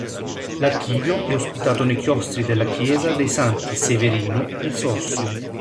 L'Archivio è ospitato nei chiostri della chiesa dei Santi Severino e Sossio.